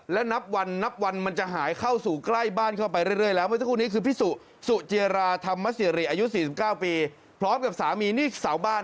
สาวบ้านจะกลายเป็นเสาที่ตกบ้านไปเรียบร้อย